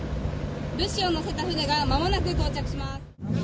物資を載せた船がまもなく到着します。